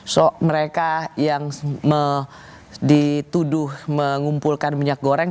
so mereka yang dituduh mengumpulkan minyak goreng